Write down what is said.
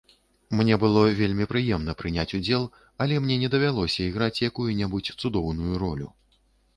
Мне было вельмі прыемна прыняць удзел, але мне не давялося іграць якую-небудзь цудоўную ролю.